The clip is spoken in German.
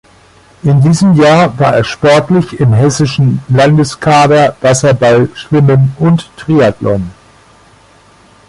In diesem Jahr war er sportlich im hessischen Landeskader Wasserball, Schwimmen und Triathlon.